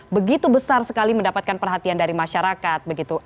begitu besar sekali mendapatkan perhatian dari masyarakat begitu